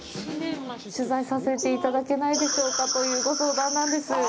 取材させていただけないでしょうかというご相談なんです。